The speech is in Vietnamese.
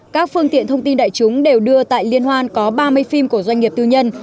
các phương tiện thông tin đại chúng đều đưa tại liên hoan có ba mươi phim của doanh nghiệp tư nhân